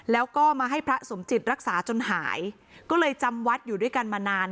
แล้วก็มาให้พระสมจิตรักษาจนหายก็เลยจำวัดอยู่ด้วยกันมานาน